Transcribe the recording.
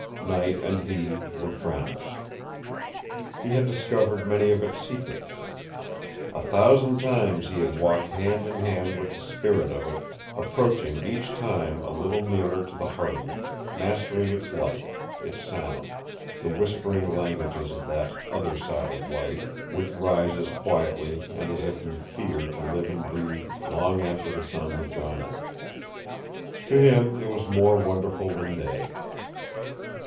Night and he were friends. He had discovered many of its secrets. A thousand times he had walked hand in hand with the spirit of it, approaching each time a little nearer to the heart of it, mastering its life, its sound, the whispering languages of that "other side of life" which rises quietly and as if in fear to live and breathe long after the sun has gone out. To him it was more wonderful than day.